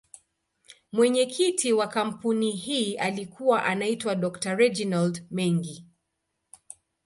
Mwenyekiti wa kampuni hii alikuwa anaitwa Dr.Reginald Mengi.